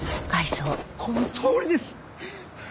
このとおりです！